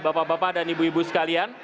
bapak bapak dan ibu ibu sekalian